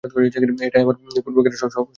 এটাই আমার পূর্বেকার স্বপ্নের ব্যাখ্যা।